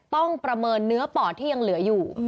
ประเมินเนื้อปอดที่ยังเหลืออยู่